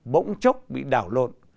bỗng chốc bị đảo lộn